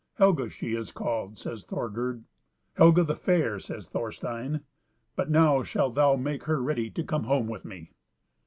"Helga she is called," says Thorgerd. "Helga the Fair," says Thorstein. "But now shalt thou make her ready to come home with me."